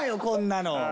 こんなの！